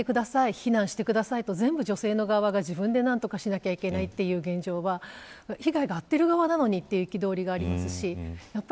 避難してくださいと全部女性の側が自分で何とかしなきゃいけないという現状は被害に遭っている側なのにという憤りがあります。